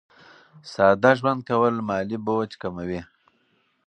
ساده ژوند کول مالي بوج کموي.